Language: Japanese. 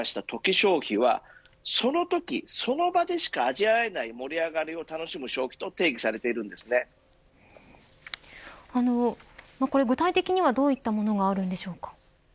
消費はそのとき、その場でしか味わえない盛り上がりを楽しむ消費と具体的にはどういったものがあるんでしょうか。